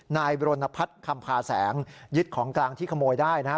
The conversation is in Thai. นายบรณพัฒน์คำพาแสงยึดของกลางที่ขโมยได้นะฮะ